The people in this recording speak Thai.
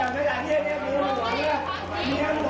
ไม่ยอมเยี่ยม